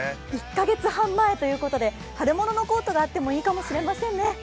１カ月半前ということで春物のコートがあってもいいかもしれませんね。